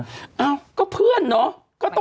เอ้าก็เพื่อนเนาะ